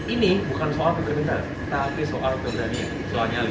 ini bukan soal kebenaran tapi soal keberanian soal nyali